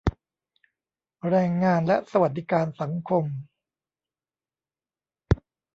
แรงงานและสวัสดิการสังคม